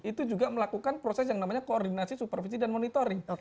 itu juga melakukan proses yang namanya koordinasi supervisi dan monitoring